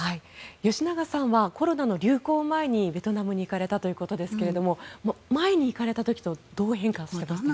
吉永さんはコロナの流行前にベトナムに行かれたということですが前に行かれた時とどう変化していましたか？